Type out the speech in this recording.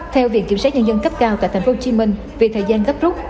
theo viện kiểm soát nhân dân cấp cao tại tp hcm vì thời gian gấp rút